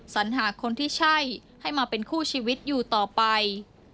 สัญหาคนที่ใช่ให้มาเป็นคู่ชีวิตอยู่ต่อไป